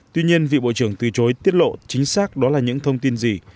tuy nhiên vị bộ trưởng từ chối tiết lộ chính xác đó là những thông tin gì